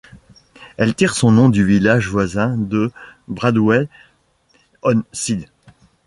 Elle tire son nom du village voisin de Bradwell-on-Sea.